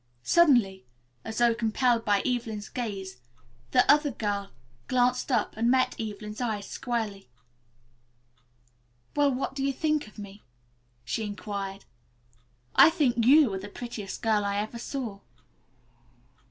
Suddenly, as though impelled by Evelyn's gaze, the other girl glanced up and met Evelyn's eyes squarely. "Well, what do you think of me?" she inquired. "I think you are the prettiest girl I ever saw."